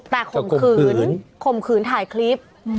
แต่ข่มขืนข่มขืนถ่ายคลิป